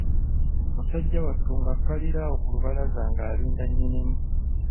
Musajja wattu ng'akkalira awo ku lubalaza ng'alinda nnyinimu.